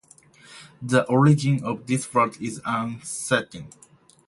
The origin of this word is uncertain.